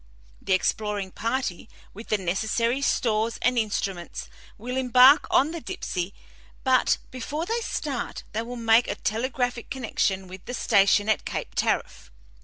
The exploring party, with the necessary stores and instruments, will embark on the Dipsey, but before they start they will make a telegraphic connection with the station at Cape Tariff.